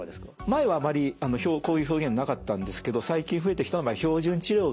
前はあまりこういう表現なかったんですけど最近増えてきたまあ標準治療がいいと。